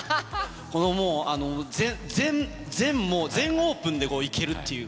この全、全オープンで、いけるっていう。